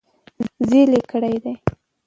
زېلې کړي دي -